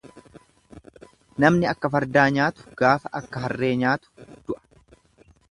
Namni akka fardaa nyaatu gaafa akka harree nyaatu du'a.